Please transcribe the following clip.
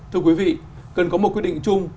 thưa quý vị cần có một quy định chung